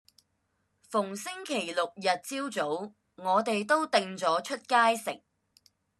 逢星期六日朝早，我哋都定咗出街食